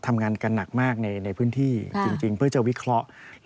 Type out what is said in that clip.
ทำงานกันหนักมากในพื้นที่จริงเพื่อจะวิเคราะห์